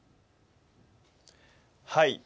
はい。